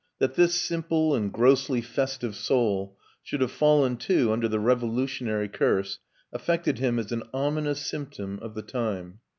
That this simple and grossly festive soul should have fallen too under the revolutionary curse affected him as an ominous symptom of the time.